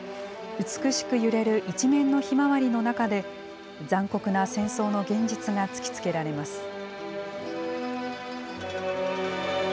美しく揺れる一面のひまわりの中で、残酷な戦争の現実が突きつけられます。